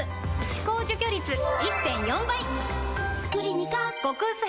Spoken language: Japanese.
歯垢除去率 １．４ 倍！